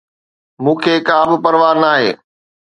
مون کي ڪابه پرواهه ناهي